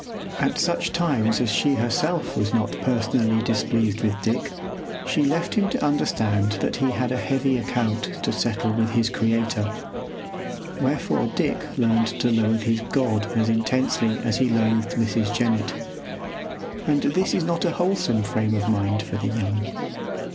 At such times as she herself was not personally displeased with Dick, she left him to understand that he had a heavy account to settle with his Creator; wherefore Dick learned to loathe his God as intensely as he loathed Mrs. Jennett; and this is not a wholesome frame of mind for the young.